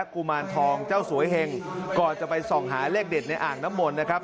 กุมารทองเจ้าสวยเห็งก่อนจะไปส่องหาเลขเด็ดในอ่างน้ำมนต์นะครับ